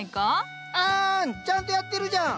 あんちゃんとやってるじゃん。